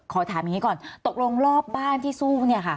ขอถามอย่างนี้ก่อนตกลงรอบบ้านที่สู้เนี่ยค่ะ